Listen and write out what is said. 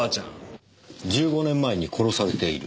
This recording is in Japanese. １５年前に殺されている？